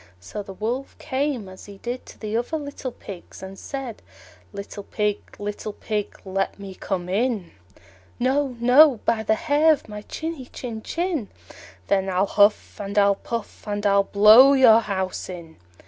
So the Wolf came, as he did to the other little Pigs, and said, "Little Pig, little Pig, let me come in." "No, no, by the hair of my chinny chin chin." "Then I'll huff and I'll puff, and I'll blow your house in."